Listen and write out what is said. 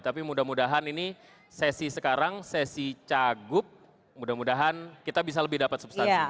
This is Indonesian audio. tapi mudah mudahan ini sesi sekarang sesi cagup mudah mudahan kita bisa lebih dapat substansi